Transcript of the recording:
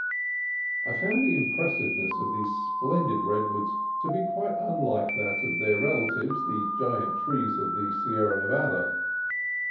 I found the impressiveness of these splendid red woods to be quite unlike that of their relatives, the Giant Trees of the Sierra Nevada.